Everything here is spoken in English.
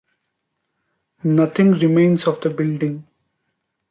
Nothing remains of the building.